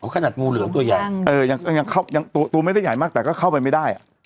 ขนาดงูเหลือมตัวใหญ่ยังตัวไม่ได้ใหญ่มากแต่ก็เข้าไปไม่ได้